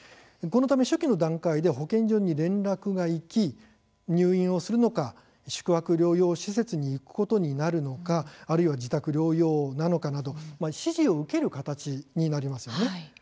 このため初期の段階で保健所に連絡がいき入院をするのか宿泊療養施設に行くことになるのかあるいは自宅療養なのかなど指示を受ける形になりますよね。